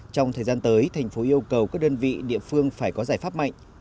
trong thời gian tới thành phố yêu cầu các đơn vị địa phương phải có giải pháp mạnh